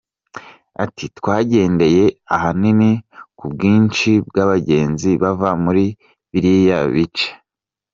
Ati “Twagendeye ahanini ku bw’inshi bw’abagenzi bava muri biriya bice.